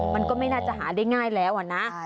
มันก็ไม่น่าจะหาได้ง่ายแล้วอะนะ